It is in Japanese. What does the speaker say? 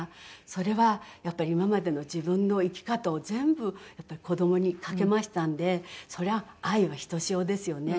それはやっぱり今までの自分の生き方を全部子供に懸けましたんでそれは愛はひとしおですよね。